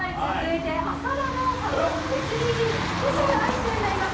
浅田真央さんのＳＤＧｓスペシャルアイスショーになります。